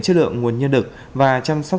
chất lượng nguồn nhân lực và chăm sóc